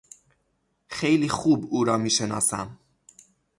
خیلی خوب او را میشناسم.